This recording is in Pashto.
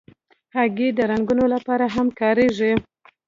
هګۍ د رنګونو لپاره هم کارېږي.